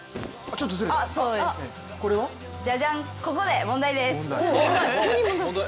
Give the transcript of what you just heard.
ここで問題です。